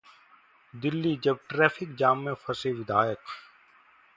दिल्ली: जब traffic jam में फंसे विधायक